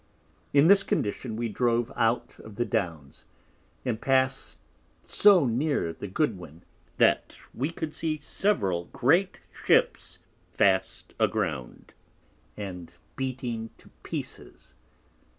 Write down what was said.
In this Condition we drove out of the Downs, and past so near the Goodwin, that we could see several great Ships fast a ground, and beating to Pieces.